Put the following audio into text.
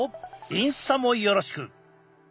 インスタもよろしく！